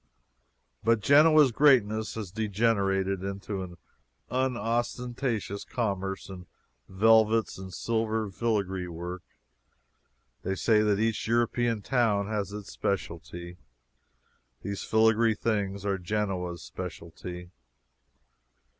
But Genoa's greatness has degenerated into an unostentatious commerce in velvets and silver filagree work. They say that each European town has its specialty. These filagree things are Genoa's specialty.